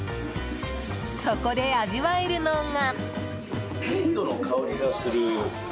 そこで味わえるのが。